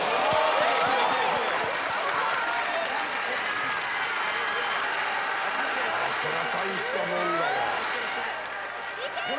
こりゃ大したもんだわ。